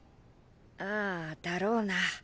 ああだろうな。